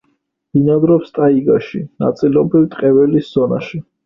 ბინადრობს ტაიგაში, ნაწილობრივ ტყე-ველის ზონაში.